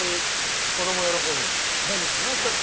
変ななちょっと。